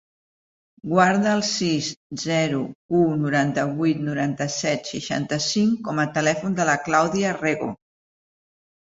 Guarda el sis, zero, u, noranta-vuit, noranta-set, seixanta-cinc com a telèfon de la Clàudia Rego.